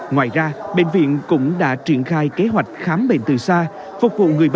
ngoài ra bệnh viện cũng đã triển khai kế hoạch khám bệnh từ xa